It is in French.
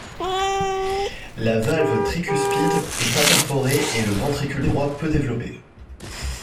La valve tricuspide est imperforée et le ventricule droit peu développé.